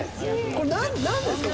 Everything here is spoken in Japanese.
これ何ですか？